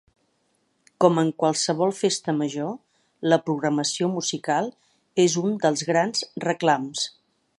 Com en qualsevol festa major, la programació musical és un dels grans reclams.